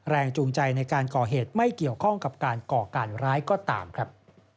แรงจูงใจในการก่อเหตุไม่เกี่ยวข้องกับการก่อการร้ายก็ตามครับ